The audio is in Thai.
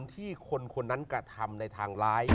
ที่คนคนนั้นกระทำในทางร้าย